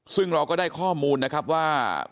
ซึ่งเราก็ได้ข้อมูลนะครับว่า